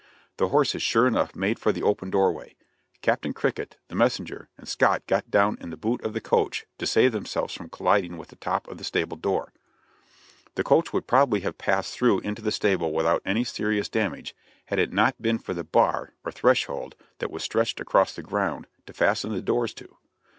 The horses, sure enough, made for the open doorway. Capt. Cricket, the messenger, and Scott got down in the boot of the coach to save themselves from colliding with the top of the stable door. The coach would probably have passed through into the stable without any serious damage had it not been for the bar or threshold that was stretched across the ground to fasten the doors to.